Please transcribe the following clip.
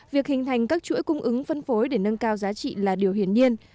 việc hình thành các chuỗi cung ứng phân phối để nâng cao giá trị là điều hiển nhiên